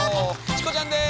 チコちゃんです！